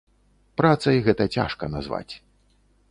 Працай гэта цяжка назваць.